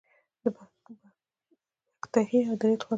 اوس په ویښه ورته ګورم ریشتیا کیږي مي خوبونه